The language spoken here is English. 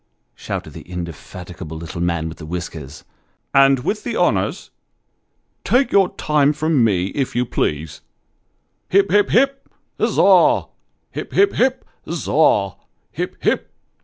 " shouted the indefatigable little man with the whiskers " and with the honours. Take your time from me, if you please. Hip! hip! hip! Za! Hip! hip! hip! Za! Hip! hip